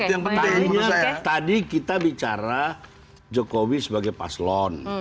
yang pertama tadi kita bicara jokowi sebagai paslon